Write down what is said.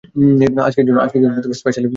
আজকের জন্য স্পেশালি বানিয়েছি।